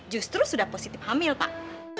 justru sudah positif hamil pak